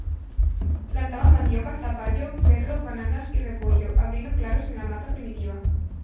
Plantaban mandioca, zapallo, berro, bananas y repollo, abriendo claros en la mata primitiva.